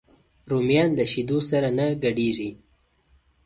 رومیان له شیدو سره نه ګډېږي